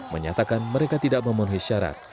menyatakan mereka tidak memenuhi syarat